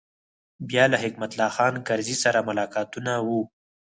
بیا له حکمت الله خان کرزي سره ملاقاتونه و.